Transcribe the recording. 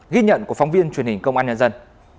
ghi nhận của phóng viên truyền hình công an nhân dân